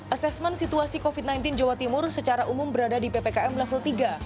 asesmen situasi covid sembilan belas jawa timur secara umum berada di ppkm level tiga